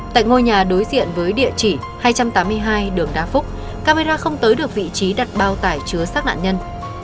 tại ngôi nhà đối diện với địa chỉ hai trăm tám mươi hai đường đa phúc camera không tới được vị trí đặt bao tải chứa sát nạn nhân